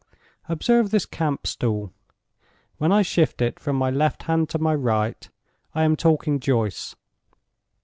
Observe this camp stool. When I shift it from my left hand to my right, I am talking Joyce.